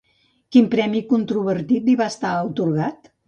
Quin premi controvertit li va estar atorgat?